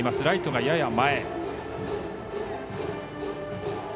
ライト、やや前。